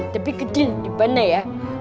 tapi kecil dimana ya